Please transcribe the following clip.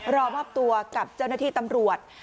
รอมอบตัวกับเจ้าหน้าที่ตำรวจ